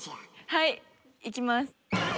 はいいきます。